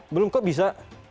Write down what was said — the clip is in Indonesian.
belum kok bisa